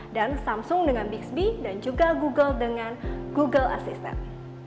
dan samsung dengan bixby dan juga google dengan google assistant